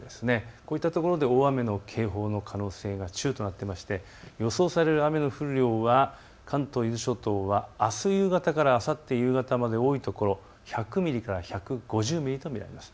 こういったところで大雨の警報の可能性が中となっていまして予想される雨の降る量は関東、伊豆諸島はあす夕方からあさって夕方まで多い所で１００ミリから１５０ミリと見られます。